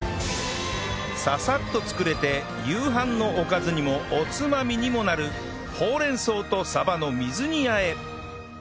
ササッと作れて夕飯のおかずにもおつまみにもなるほうれん草とサバの水煮和え